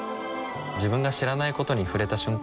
自分が知らないことに触れた瞬間